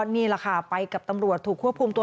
นี่แหละค่ะไปกับตำรวจถูกควบคุมตัว